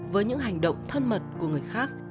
với những hành động thân mật của người khác